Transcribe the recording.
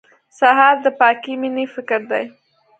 سهار د پاکې مېنې فکر دی.